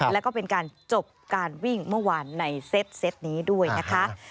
แล้วก็เป็นการจบการวิ่งเมื่อวานในเซตนี้ด้วยนะคะ